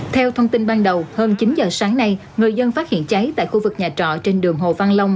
theo thông tin ban đầu hơn chín giờ sáng nay người dân phát hiện cháy tại khu vực nhà trọ trên đường hồ văn long